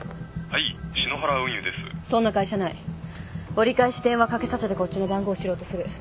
折り返し電話かけさせてこっちの番号知ろうとする。